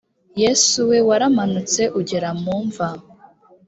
yesu we, waramanutse ugera mu mva!